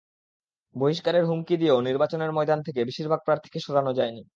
বহিষ্কারের হুমকি দিয়েও নির্বাচনের ময়দান থেকে বেশির ভাগ প্রার্থীকে সরানো যায়নি।